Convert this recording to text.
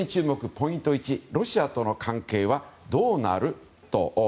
ポイント１ロシアとの関係はどうなる？